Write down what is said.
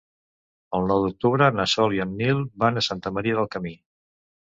El nou d'octubre na Sol i en Nil van a Santa Maria del Camí.